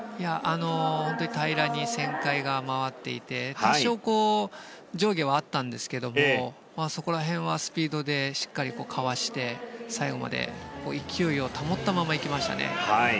本当に平らに旋回が回っていて多少、上下はあったんですがそこら辺はスピードでしっかりかわして最後まで勢いを保ったまま行きましたね。